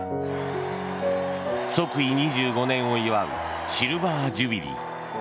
即位２５年を祝うシルバー・ジュビリー。